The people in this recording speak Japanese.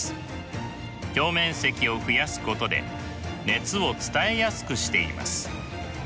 表面積を増やすことで熱を伝えやすくしています。